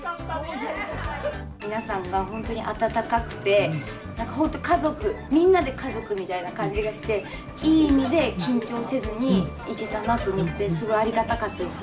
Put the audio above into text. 皆さんが本当に温かくて何か本当家族みんなで家族みたいな感じがしていい意味で緊張せずにいけたなと思ってすごいありがたかったです。